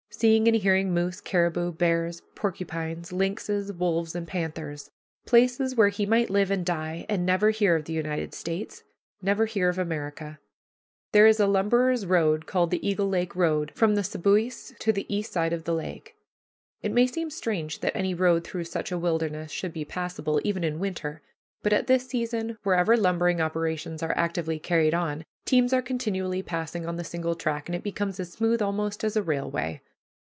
Seeing and hearing moose, caribou, bears, porcupines, lynxes, wolves, and panthers. Places where he might live and die and never hear of the United States never hear of America. There is a lumberer's road called the Eagle Lake Road from the Seboois to the east side of this lake. It may seem strange that any road through such a wilderness should be passable, even in winter, but at that season, wherever lumbering operations are actively carried on, teams are continually passing on the single track, and it becomes as smooth almost as a railway.